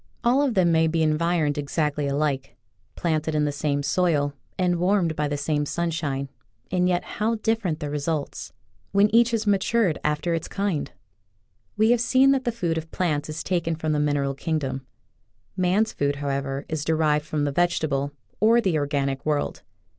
All of them may be environed ex actly alike, planted in the same soil and warmed by the same sunshine, and yet how different the results — when each has matured after its kind ! "We have seen that the food of plants is taken from the mineral kingdom. Man's food, however, is derived from the vegetable or the organic world.